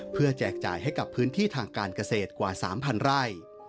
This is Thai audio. เพื่อแจกจ่ายให้กับพื้นที่ทางการเกษตรกว่า๓๐๐ไร่